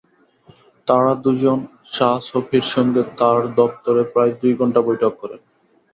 তাঁরা দুজন শাহ শফীর সঙ্গে তাঁর দপ্তরে প্রায় দুই ঘণ্টা বৈঠক করেন।